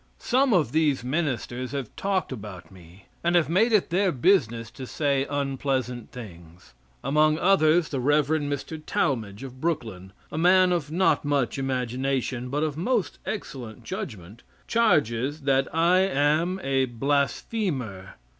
Some of these ministers have talked about me, and have made it their business to say unpleasant things. Among others the Rev. Mr. Talmage, of Brooklyn a man of not much imagination, but of most excellent judgment charges that I am a "blasphemer."